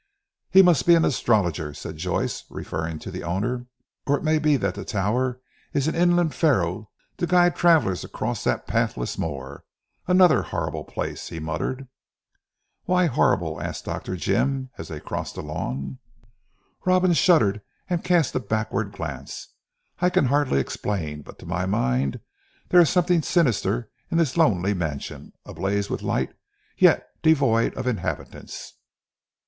"He must be an astrologer," said Joyce referring to the owner, "or it may be that the tower is an inland pharos, to guide travellers across that pathless moor. A horrible place," he muttered. "Why horrible?" asked Dr. Jim as they crossed the lawn. Robin shuddered, and cast a backward glance. "I can hardly explain. But to my mind, there is something sinister in this lonely mansion, ablaze with light, yet devoid of inhabitants."